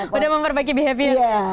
sudah memperbaiki behavior